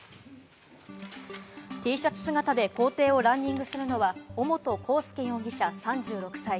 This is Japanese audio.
Ｔシャツ姿で校庭をランニングするのは尾本幸祐容疑者、３６歳。